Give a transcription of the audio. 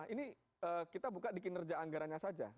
ini kita buka di kinerja anggarannya saja